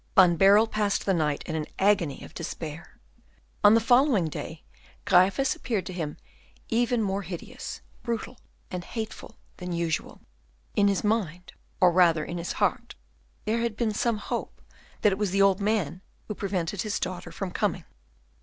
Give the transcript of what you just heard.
Van Baerle passed the night in an agony of despair. On the following day Gryphus appeared to him even more hideous, brutal, and hateful than usual; in his mind, or rather in his heart, there had been some hope that it was the old man who prevented his daughter from coming.